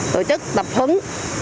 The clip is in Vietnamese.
tổ chức tập hứng